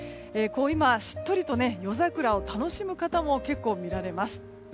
今しっとりと夜桜を楽しむ方も結構見られます。